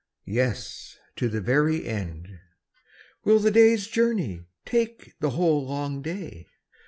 Yes, to the very end. Will the day's journey take the whole long day?